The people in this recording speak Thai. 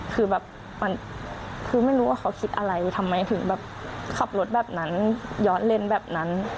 คือแบบมันคือไม่รู้ว่าเขาคิดอะไรทำไมถึงแบบขับรถแบบนั้นย้อนเล่นแบบนั้น